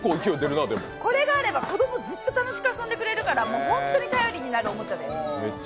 これがあれば子供、ずっと楽しく遊んでくれるから、もうホントに頼りになるおもちゃです。